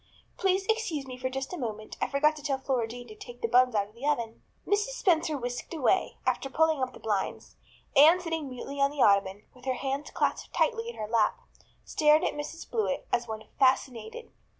Please excuse me for just a moment. I forgot to tell Flora Jane to take the buns out of the oven." Mrs. Spencer whisked away, after pulling up the blinds. Anne sitting mutely on the ottoman, with her hands clasped tightly in her lap, stared at Mrs Blewett as one fascinated.